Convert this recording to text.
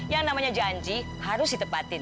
yang namanya janji harus ditepatin